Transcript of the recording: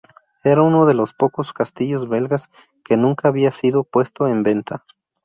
Era uno de los pocos castillos belgas que nunca había sido puesto en venta.